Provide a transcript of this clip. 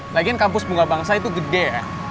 lagian kampus bunga bangsa itu gede